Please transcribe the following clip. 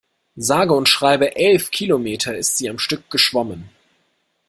Sage und schreibe elf Kilometer ist sie am Stück geschwommen.